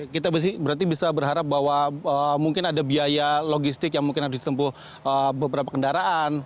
kita berarti bisa berharap bahwa mungkin ada biaya logistik yang mungkin harus ditempuh beberapa kendaraan